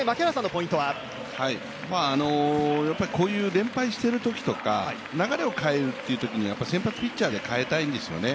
こういう連敗しているときとか、流れを変えるというときにやっぱり先発ピッチャーで変えたいんですよね。